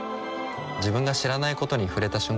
自分が知らないことに触れた瞬間